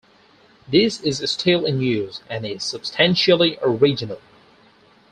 This is still in use and is substantially original.